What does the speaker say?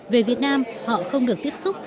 về việt nam họ không được tiếp xúc